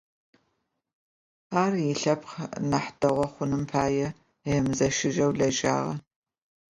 Ар, илъэпкъ нахь дэгъу хъуным пае, емызэщыжьэу лэжьагъэ.